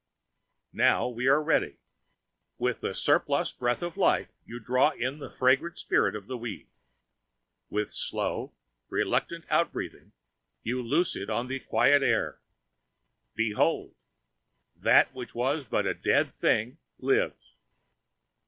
Now we are ready. With the surplus breath of life you draw in the fragrant spirit of the weed. With slow, reluctant outbreathing you loose it on the quiet air. Behold! That which was but a dead thing, lives.